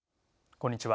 こんにちは。